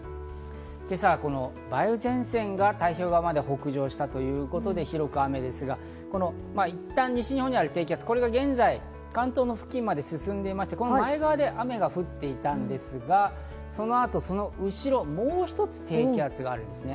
今朝は梅雨前線が太平洋側まで北上したということで広く雨ですが、いったん西日本にある低気圧、これが現在、関東付近まで進んでいまして、この前側で雨が降っていたんですが、そのあとその後ろ、もう一つ低気圧があるんですね。